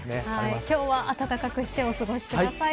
今日は温かくしてお過ごしください。